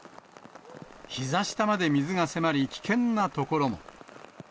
ひざ下まで水が迫り、危険な所も。